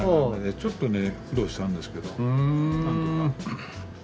ちょっとね苦労したんですけどなんとか。